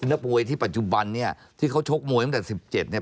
นักมวยที่ปัจจุบันเนี่ยที่เขาชกมวยตั้งแต่๑๗เนี่ย